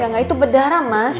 gapapa itu bedara mas